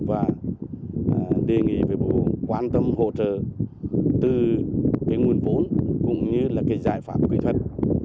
và đề nghị với bộ quan tâm hỗ trợ từ nguồn vốn cũng như giải pháp kỹ thuật